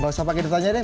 gak usah pake tanya deh